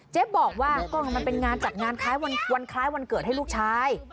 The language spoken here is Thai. เจ๊บอกว่ามันเป็นงานจัดงานคล้ายวันเกิดให้ลูกชาย